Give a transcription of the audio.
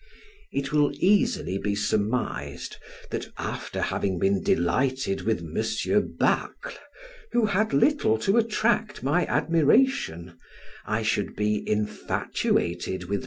It will easily be surmised, that after having been delighted with M. Bacle, who had little to attract my admiration, I should be infatuated with M.